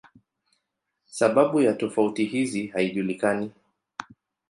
Sababu ya tofauti hizi haijulikani.